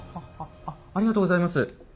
ありがとうございます。